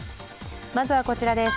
まずはこちらです。